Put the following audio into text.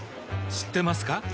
知ってますか？